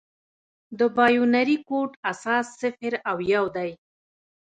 د بایونري کوډ اساس صفر او یو دي.